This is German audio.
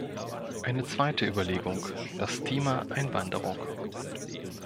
Eine zweite Überlegung: das Thema Einwanderung.